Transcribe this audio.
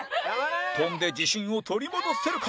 跳んで自信を取り戻せるか？